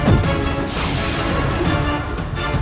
bukti prabu cursus distrik hati perang